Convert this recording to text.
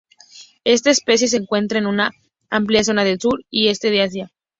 Esta especie se encuentra en una amplia zona del sur y este de Asia.